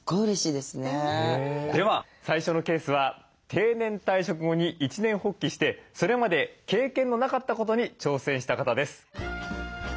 では最初のケースは定年退職後に一念発起してそれまで経験のなかったことに挑戦した方です。